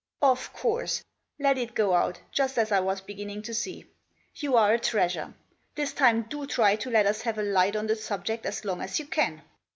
Of course ! Let it go out just as I was beginning to see. You are a treasure ! This time do try to let us have a light on the subject as long as you can."